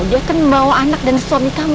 dia akan membawa anak dan suami kamu